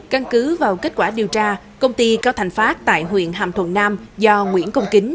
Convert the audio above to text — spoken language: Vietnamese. căn cứ vào kết quả điều tra công ty cao thành phát tại huyện hàm thuận nam do nguyễn công kính